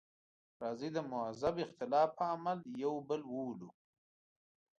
راځئ د مهذب اختلاف په عمل یو بل وولو.